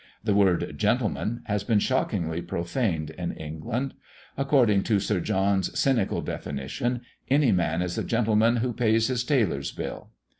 The word "gentleman" has been shockingly profaned in England. According to Sir John's cynical definition, any man is a gentleman who pays his tailor's bill.